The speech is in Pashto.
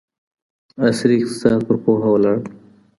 عصري اقتصاد پر پوهه ولاړ دی.